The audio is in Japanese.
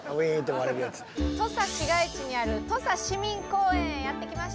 土佐市街地にある土佐市民公園へやって来ました。